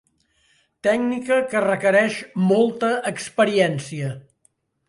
Tècnica que requereix molta experiència.